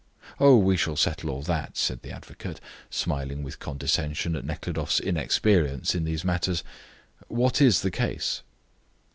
"Oh, we shall settle all that," said the advocate, smiling with condescension at Nekhludoff's inexperience in these matters. "What is the case?"